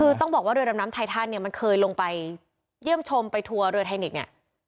คือต้องบอกว่าเรือดำน้ำไททันเนี่ยมันเคยลงไปเยี่ยมชมไปทัวร์เรือไทนิกเนี่ย